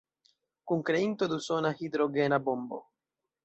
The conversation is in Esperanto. Kunkreinto de usona hidrogena bombo.